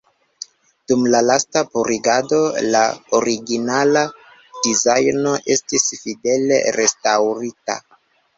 Dum la lasta purigado la originala dizajno estis fidele restaŭrita.